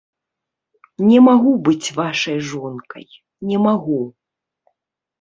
Не магу быць вашай жонкай, не магу.